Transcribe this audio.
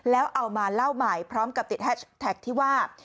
แล้วเอามาเล่าใหม่พร้อมกับติดแฮชแท็กที่ว่า